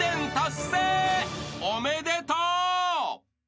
［おめでとう］